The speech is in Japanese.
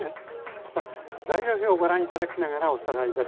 さあ材料表をご覧頂きながらおさらいです。